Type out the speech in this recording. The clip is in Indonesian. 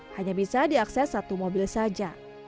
hanya bisa diakses satu mobil saja